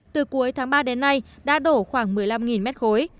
từ cuối tháng ba đến nay đã đổ khoảng một mươi năm mét khối